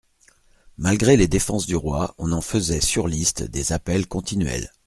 Malgré les défenses du roi, on en faisait, sur listes, des appels continuels.